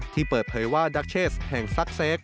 ที่เปิดเผยว่าดักเชสแห่งซักเซค